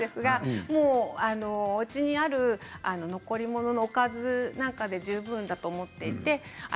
うちにある残り物のおかずなんかで十分だと思っています。